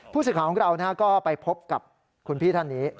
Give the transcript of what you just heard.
ผู้สื่อข่าวของเราก็ไปพบกับคุณพี่ท่านนี้